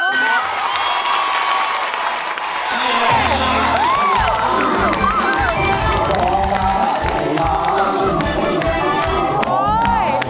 ร้องได้ครับ